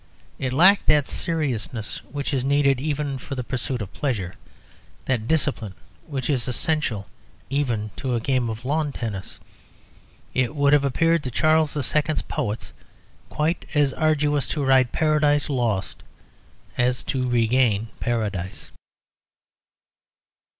It lacked that seriousness which is needed even for the pursuit of pleasure, that discipline which is essential even to a game of lawn tennis. It would have appeared to Charles II.'s poets quite as arduous to write "Paradise Lost" as to regain Paradise.